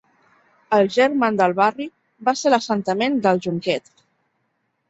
El germen del barri va ser l'assentament d'El Jonquet.